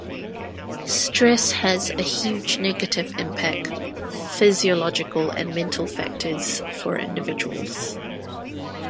Stress has a huge negative impact physiological and mental factors for individuals.